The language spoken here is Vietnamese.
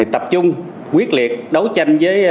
tập trung quyết liệt đấu tranh với